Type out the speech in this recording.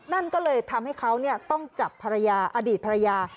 นั่นก็เลยทำให้เขาต้องจับภรรยาอดีตภรรยา